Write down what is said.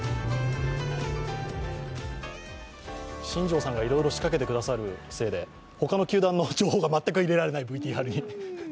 新庄さんがいろいろ仕掛けてくださるせいで他の球団の情報がＶＴＲに全く入れられない。